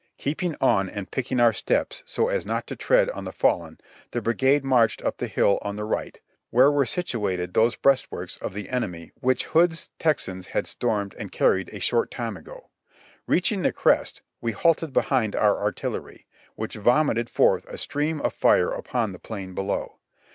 Keep ing on and picking our steps so as not to tread on the fallen, the brigade marched up the hill on the right, where were situated those breastworks of the enemy which Hood's Texans had stormed and carried a short time ago. Reaching the crest, we halted behind our artillery, which vomited forth a stream of fire upon the plain below.